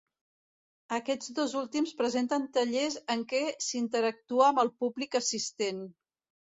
Aquests dos últims presenten tallers en què s'interactua amb el públic assistent.